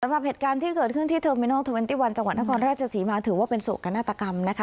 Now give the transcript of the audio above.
สำหรับเหตุการณ์ที่เกิดขึ้นที่เทอร์มินอลเทอร์เนตี้วันจังหวัดนครราชศรีมาถือว่าเป็นโศกนาฏกรรมนะคะ